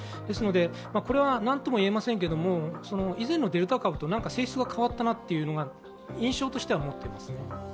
これはなんとも言えませんが、以前のデルタ株と何か性質が変わったなというのは印象としては持っていますね。